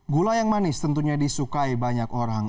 gula yang manis tentunya disukai banyak orang